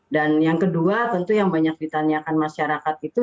dan yang kedua tentu yang banyak ditanyakan masyarakat itu